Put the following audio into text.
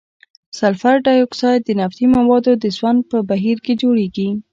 سلفر ډای اکساید د نفتي موادو د سون په بهیر کې جوړیږي.